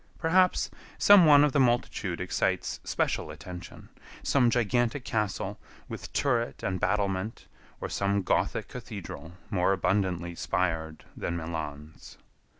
Perhaps some one of the multitude excites special attention, some gigantic castle with turret and battlement, or some Gothic cathedral more abundantly spired than Milan's.